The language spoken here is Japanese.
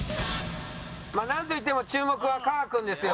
まあなんといっても注目はかーくんですよ。